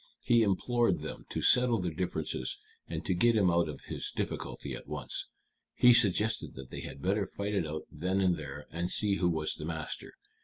He implored them to settle their differences, and to get him out of his difficulty at once. He suggested that they had better fight it out then and there, and see who was master.